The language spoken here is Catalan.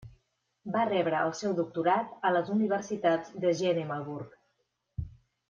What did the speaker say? Va rebre el seu doctorat a les universitats de Jena i Marburg.